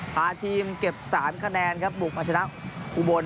พาทีมเก็บ๓คะแนนครับบุกมาชนะอุบล